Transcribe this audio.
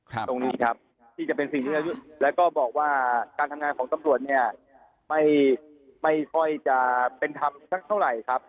ตรงนี้ครับที่จะเป็นสิ่งที่แล้วก็บอกว่าการทำงานของตำรวจเนี่ยไม่ค่อยจะเป็นธรรมสักเท่าไหร่ครับ